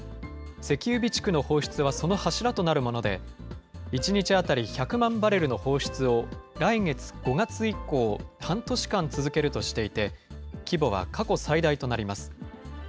石油備蓄の放出はその柱となるもので、１日当たり１００万バレルの放出を、来月５月以降、半年間続けるとしていて、規模は過去最大となります。